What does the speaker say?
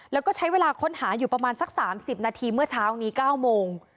แล้วก็ใช้เวลาค้นหาอยู่ประมาณสัก๓๐นาทีเมื่อเช้านี้๙โมง